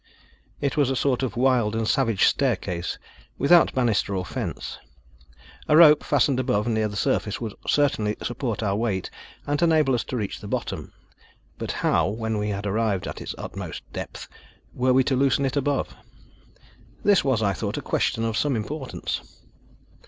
It was a sort of wild and savage staircase, without bannister or fence. A rope fastened above, near the surface, would certainly support our weight and enable us to reach the bottom, but how, when we had arrived at its utmost depth, were we to loosen it above? This was, I thought, a question of some importance.